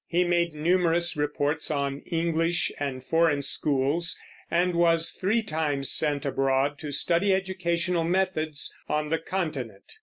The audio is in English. He made numerous reports on English and foreign schools, and was three times sent abroad to study educational methods on the Continent.